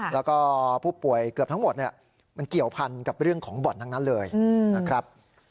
แล้วก็ผู้ป่วยเกือบทั้งหมดมันเกี่ยวพันกับเรื่องของบ่อนทั้งนั้นเลยนะครับ